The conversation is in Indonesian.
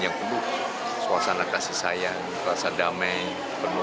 yang perlu diperlukan untuk mencari kemampuan untuk mencari kemampuan